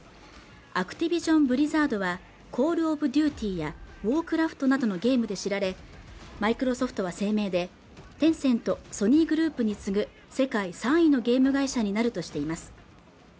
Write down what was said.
アクティビジョンブリザードは「コールオブデューティ」や「ウォークラフト」などのゲームで知られマイクロソフトは声明でテンセントソニーグループに次ぐ世界３位のゲーム会社になるとしています